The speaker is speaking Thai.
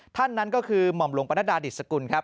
ท่านนั้นก็คือหม่อมลงประณะดาดิสกุลครับ